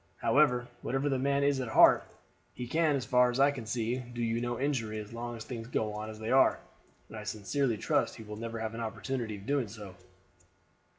However, whatever the man is at heart, he can, as far as I see, do you no injury as long as things go on as they are, and I sincerely trust he will never have an opportunity of doing so."